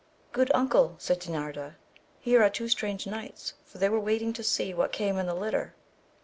Good uncle, said Dinarda, here are two strange knights, fbr they were waiting to see what came in the litter.